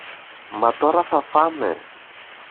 Μα τώρα θα φάμε!